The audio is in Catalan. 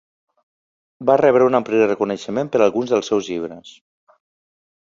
Va rebre un ampli reconeixement per alguns dels seus llibres.